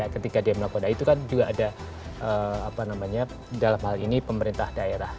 ketika dia melakukan itu kan juga ada apa namanya dalam hal ini pemerintah daerah